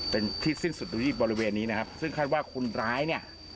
เป็นที่สิ้นสุดตอนนี้บริเวณซึ่งคาดว่าคนร้ายเนี่ย